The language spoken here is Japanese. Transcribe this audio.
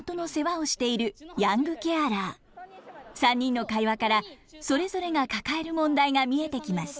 ３人の会話からそれぞれが抱える問題が見えてきます。